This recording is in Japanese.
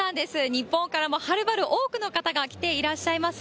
日本からもはるばる多くの方が来ていらっしゃいます。